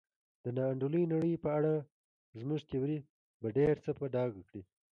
د نا انډولې نړۍ په اړه زموږ تیوري به ډېر څه په ډاګه کړي.